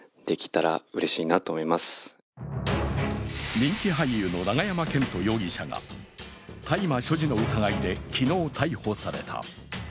人気俳優の永山絢斗容疑者が大麻所持の疑いで昨日、逮捕された。